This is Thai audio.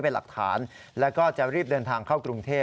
ที่หนุ่มการรถไฟถูกรางวัลที่๑